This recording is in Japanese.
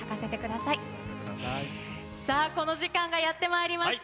さあこの時間がやってまいりました。